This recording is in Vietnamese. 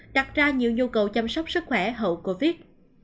đặt ra nhiều nhu cầu chăm sóc sức khỏe hậu covid